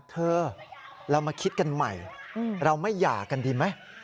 เธอเรามาคิดกันใหม่เราไม่หย่ากันดีไหม